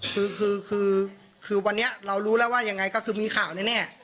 คือคือวันนี้เรารู้แล้วว่ายังไงก็คือมีข่าวแน่